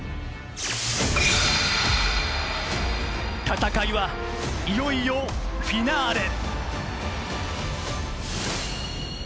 戦いは、いよいよフィナーレ！